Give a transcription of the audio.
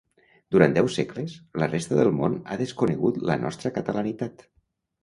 Durant deu segles, la resta del món ha desconegut la nostra catalanitat.